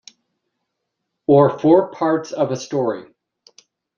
Or four parts of a story.